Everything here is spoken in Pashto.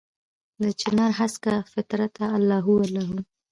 دچنارهسکه فطرته الله هو، الله هو